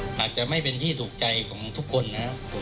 อาจจะไม่เป็นที่ถูกใจของทุกคนนะครับ